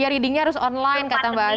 iya readingnya harus online kata mbak asri